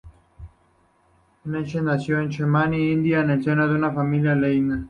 Lakshmi nació en Chennai, India en el seno de una familia Iyengar.